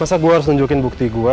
masa gue harus nunjukin bukti gue